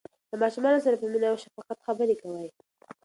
له ماشومانو سره په مینه او شفقت خبرې کوئ.